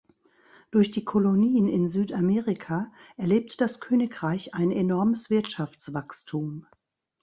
Durch die Kolonien in Südamerika erlebte das Königreich ein enormes Wirtschaftswachstum.